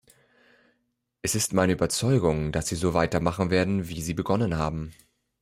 Es ist meine Überzeugung, dass Sie so weitermachen werden, wie Sie begonnen haben.